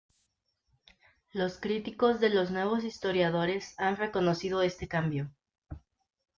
Los críticos de los Nuevos Historiadores han reconocido este cambio.